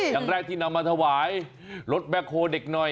อย่างแรกที่นำมาถวายรถแบ็คโฮเด็กหน่อย